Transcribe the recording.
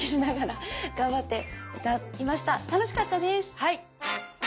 はい。